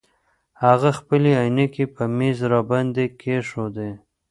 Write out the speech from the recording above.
هغه خپلې عینکې په مېز باندې کېښودې.